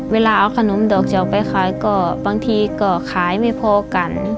เวลาเอาขนมดอกเฉียวไปขายก็บางทีก็ขายไม่พอกัน